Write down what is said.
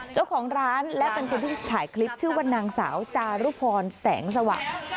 เจ้าของร้านและเป็นคนที่ถ่ายคลิปชื่อว่านางสาวจารุพรแสงสว่าง